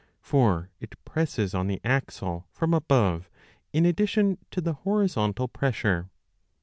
For it presses on the axle from above in addition to the horizontal pressure.